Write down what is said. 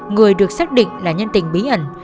người được xác định là nhân tình bí ẩn